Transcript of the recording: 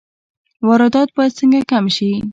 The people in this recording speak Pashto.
واردات باید څنګه کم شي؟